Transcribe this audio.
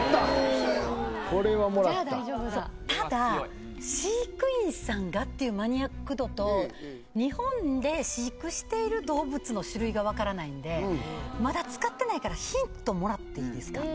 これはもらったただ飼育員さんがっていうマニアック度と日本で飼育している動物の種類が分からないんでまだ使ってないからヒントもらっていいですか？